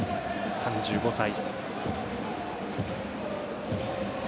３５歳。